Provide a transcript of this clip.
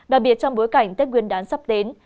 đặc biệt trong bối cảnh tết nguyên đán sắp đến